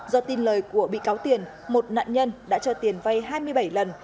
do tin lời của bị cáo tiền một nạn nhân đã cho tiền vay hai mươi bảy lần